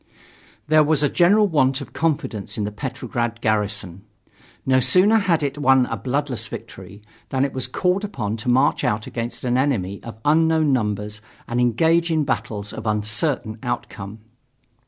There was a general want of confidence in the Petrograd garrison. No sooner had it won a bloodless victory, than it was called upon to march out against an enemy of unknown numbers and engage in battles of uncertain outcome.